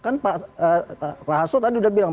kan pak hasto tadi udah bilang